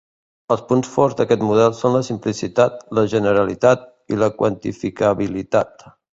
Els punts forts d'aquest model són la simplicitat, la generalitat i la quantificabilitat.